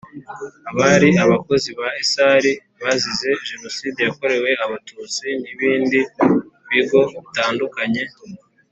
Abari abakozi ba isar bazize jenoside yakorewe abatutsi n ibindi bigo bitandukanye